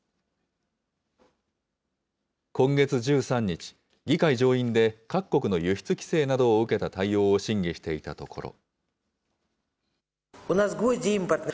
今月１３日、議会上院で、各国の輸出規制などを受けた対応を審議していたところ。